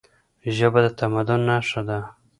ژبه د تمدن نښه ده.